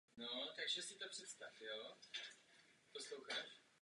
V ostatních budovách jsou pak restaurace a bary.